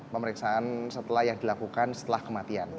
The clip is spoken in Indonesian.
pemeriksaan setelah yang dilakukan setelah kematian